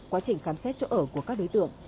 quá trình khám xét chỗ ở của các đối tượng